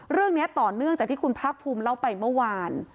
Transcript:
เรื่องนี้ต่อเนื่องจากที่คุณภาคภูมิเล่าไปเมื่อวาน